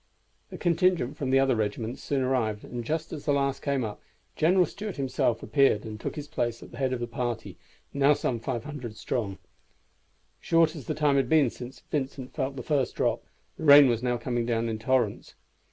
The contingent from the other regiments soon arrived, and just as the last came up General Stuart himself appeared and took his place at the head of the party, now some 500 strong. Short as the time had been since Vincent felt the first drop, the rain was now coming down in torrents.